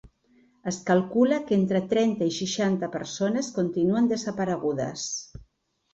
Es calcula que entre trenta i seixanta persones continuen desaparegudes.